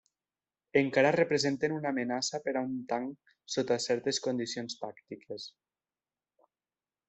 Encara representen una amenaça per a un tanc sota certes condicions tàctiques.